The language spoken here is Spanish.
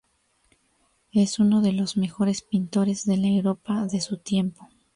Es uno de los mejores pintores de la Europa de su tiempo.